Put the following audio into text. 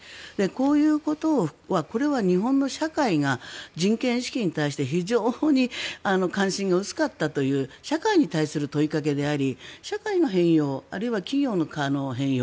こういうことはこれは日本の社会が人権意識に対して非常に関心が薄かったという社会に対する問いかけであり社会の変容、あるいは企業の変容